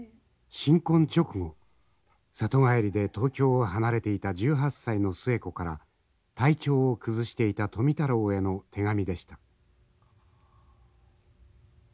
新婚直後里帰りで東京を離れていた１８歳の寿衛子から体調を崩していた富太郎への手紙でした。